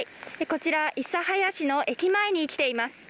こちら、諫早市の駅前に来ています。